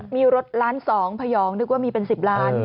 มีรถล้าน๒พยองนึกว่ามีเป็น๑๐ล้าน